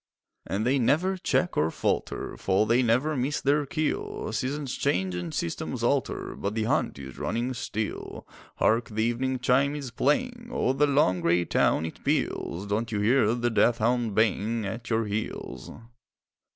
And they never check or falter For they never miss their kill; Seasons change and systems alter, But the hunt is running still. Hark! the evening chime is playing, O'er the long grey town it peals; Don't you hear the death hound baying At your heels?